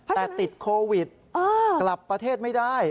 แต่ติดโควิดกลับประเทศไม่ได้